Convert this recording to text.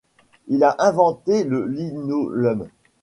Il a inventé le linoleum.